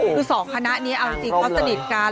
คือสองคณะนี้เอาจริงเขาสนิทกัน